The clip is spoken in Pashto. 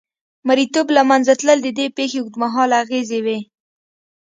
مریتوب له منځه تلل د دې پېښې اوږدمهاله اغېزې وې.